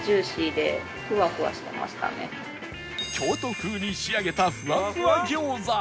京都風に仕上げたフワフワ餃子